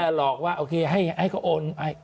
หลอกว่าโอเคให้เขาโอน